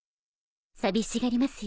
寂しがりますよ。